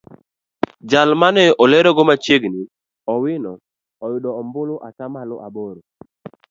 Jal mane olerogo machiegni Owino oyudo ombulu atamalo aboro.